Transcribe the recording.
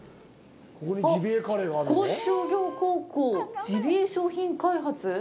あっ高知商業高校ジビエ商品開発。